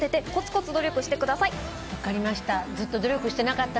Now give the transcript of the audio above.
分かりました。